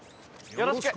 よろしこ！